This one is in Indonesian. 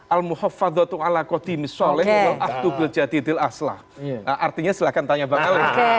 artinya silahkan tanya bang ali